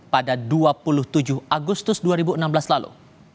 pada dua puluh tujuh agustus dua ribu enam belas lalu